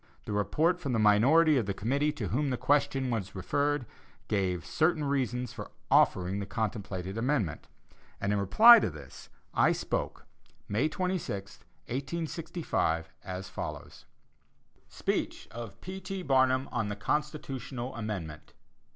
The report from the minority of the committee to whom the question was referred, gave certain reasons for offering the contemplated amendment, and in reply to this, I spoke, May 26, 1865, as follows: SPEECH OF P. T. BARNUM, ON THE CONSTITUTIONAL AMENDMENT.